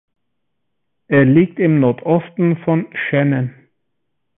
Er liegt im Nordosten von Shannan.